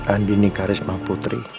andini karisma putri